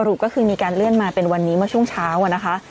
ก็คือมีการเลื่อนมาเป็นวันนี้เมื่อช่วงเช้าอะนะคะ